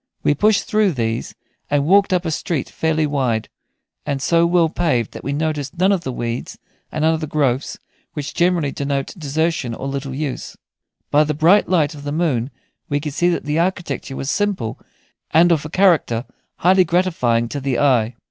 We pushed through these, and walked up a street fairly wide, and so well paved that we noticed none of the weeds and other growths which generally denote desertion or little use. By the bright light of the moon we could see that the architecture was simple, and of a character highly gratifying to the eye.